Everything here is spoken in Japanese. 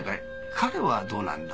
彼はどうなんだ？